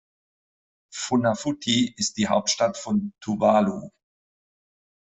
Funafuti ist die Hauptstadt von Tuvalu.